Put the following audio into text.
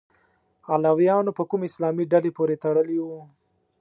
علویانو په کومه اسلامي ډلې پورې تړلي وو؟